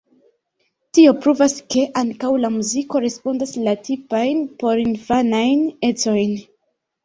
Tio pruvas ke ankaŭ la muziko respondas la tipajn porinfanajn ecojn.